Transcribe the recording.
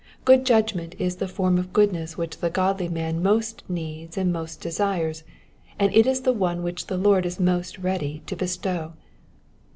Good judgment is the form of goodness which the godly man most needs and most desires, and it is one which the Lord is most ready to bestow.